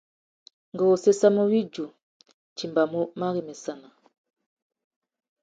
Ngú wô séssamú widuï ; nʼtimbamú marremsana.